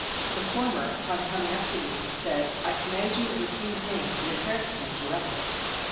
The former upon coming up to me said, " 1 command you, in the king's name, to repair to him directly."